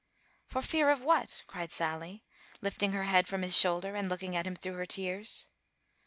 "For fear of what?" cried Sally, lifting her head from his shoulder, and looking at him through her tears.